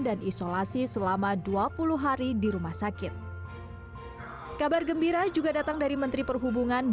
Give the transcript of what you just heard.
dan isolasi selama dua puluh hari di rumah sakit kabar gembira juga datang dari menteri perhubungan